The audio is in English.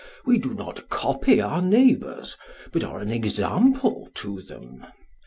We do not copy our neighbours, but are an example to them.